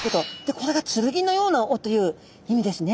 これが剣のような尾という意味ですね。